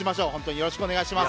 よろしくお願いします。